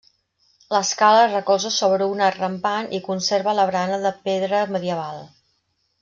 L'escala es recolza sobre un arc rampant i conserva la barana de pedra medieval.